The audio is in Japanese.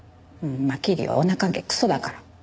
まきりゅうは女関係クソだから。